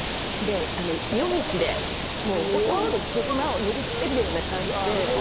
夜道でほとんど車を乗り捨てるような感じで。